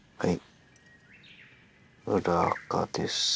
はい。